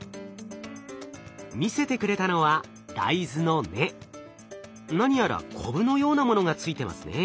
見せてくれたのは何やらコブのようなものがついてますね。